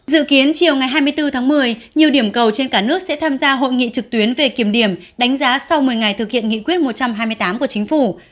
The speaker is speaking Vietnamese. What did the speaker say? dự kiến chiều ngày hai mươi bốn tháng một mươi nhiều điểm cầu trên cả nước sẽ tham gia hội nghị trực tuyến về kiểm điểm đánh giá sau một mươi ngày thực hiện nghị quyết một trăm hai mươi tám của chính phủ